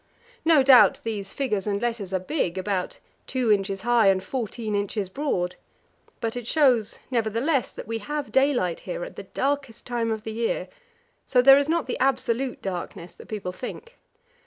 No doubt these figures and letters are big about 2 inches high and 14 inches broad but it shows, nevertheless, that we have daylight here at the darkest time of the year, so there is not the absolute darkness that people think.